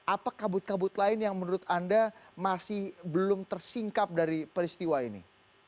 apa kabut kabut lain yang menurut anda masih belum tersingkap dari peristiwa ini